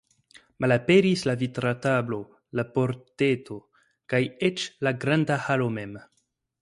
Malaperis la vitra tablo, la pordeto, kaj eĉ la granda halo mem.